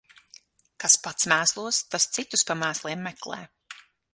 Kas pats mēslos, tas citus pa mēsliem meklē.